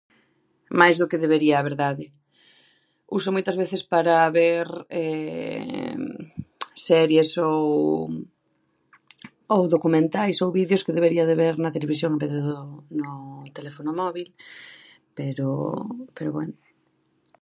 Máis do que debería, a verdade. Uso moitas veces para ver series ou ou documentais ou vídeos que debería de ver na televisión en vez do no telefono móbil, pero, pero bueno.